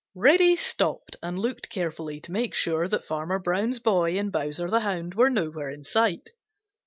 Reddy stopped and looked carefully to make sure that Farmer Brown's boy and Bowser the Hound were nowhere in sight.